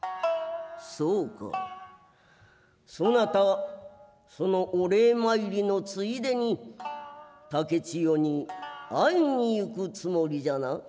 「そうかそなたそのお礼参りのついでに竹千代に会いに行くつもりじゃな」。